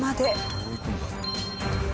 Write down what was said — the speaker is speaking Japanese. どういくんだろう？